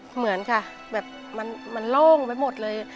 เหมือนค่ะแบบมันโล่งไปหมดเลย